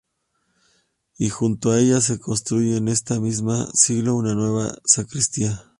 Y junto a ella se construye en este mismo siglo una nueva sacristía.